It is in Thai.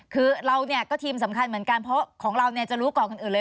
คือเราเนี่ยก็ทีมสำคัญเหมือนกันเพราะของเราจะรู้ก่อนคนอื่นเลย